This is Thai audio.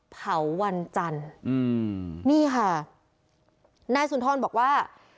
วันจันทร์อืมนี่ค่ะนายสุนทรบอกว่า